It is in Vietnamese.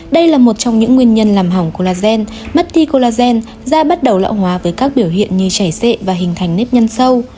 đây là một trong những nguyên nhân làm hỏng clagen mất thi colagen da bắt đầu lão hóa với các biểu hiện như chảy xệ và hình thành nếp nhân sâu